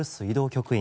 局員。